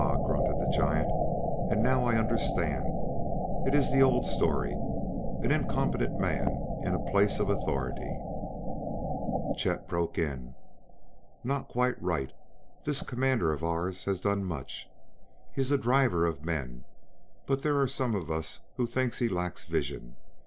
grunted the giant. "And now I understand. It is the old story an incompetent man in a place of authority "Chet broke in. "Not quite right; this Commander of ours has done much he is a driver of men but there are some of us who think he lacks vision.